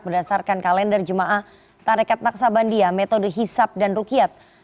berdasarkan kalender jemaah tarekat naksabandia metode hisap dan rukiat